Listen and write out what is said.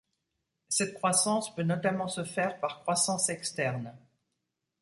Cette croissance peut notamment se faire par croissance externe.